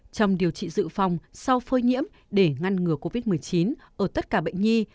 trong điều trị dự phòng sau phơi nhiễm để ngăn ngừa covid một mươi chín ở tất cả bệnh nhi